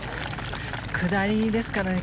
下りですからね。